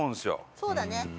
そうだね。